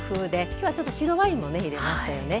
きょうは、ちょっと白ワインも入れましたよね。